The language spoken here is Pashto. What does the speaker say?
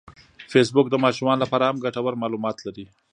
فېسبوک د ماشومانو لپاره هم ګټور معلومات لري